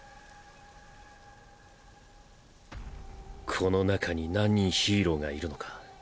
この中に何人ヒーローがいるのか。